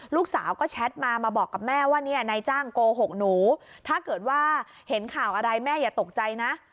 ลูกสาวก็แชทมามาบอกกับแม่ว่าเนี่ยนายจ้างโกหกหนูถ้าเกิดว่าเห็นข่าวอะไรแม่อย่าตกใจนะ